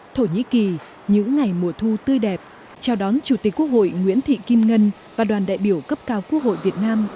thổ nhĩ kỳ những ngày mùa thu tươi đẹp chào đón chủ tịch quốc hội nguyễn thị kim ngân và đoàn đại biểu cấp cao quốc hội việt nam